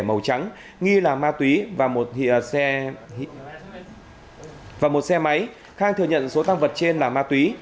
màu trắng nghi là ma túy và một xe máy khang thừa nhận số tăng vật trên là ma túy